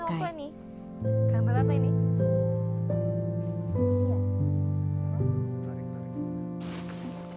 tapi mereka juga bisa memakai